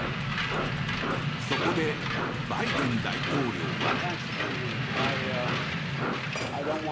そこでバイデン大統領は。